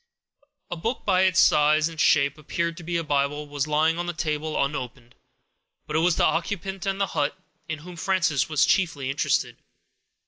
A book, that by its size and shape, appeared to be a Bible, was lying on the table, unopened. But it was the occupant of the hut in whom Frances was chiefly interested.